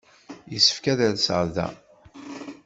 Yessefk ad rseɣ da.